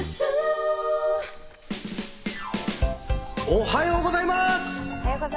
おはようございます。